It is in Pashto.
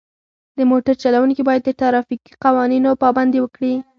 د موټر چلوونکي باید د ترافیکي قوانینو پابندي وکړي.